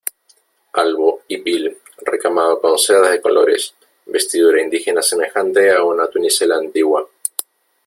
albo hipil recamado con sedas de colores , vestidura indígena semejante a una tunicela antigua ,